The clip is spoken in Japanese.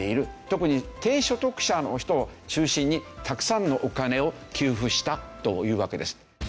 特に低所得者の人を中心にたくさんのお金を給付したというわけです。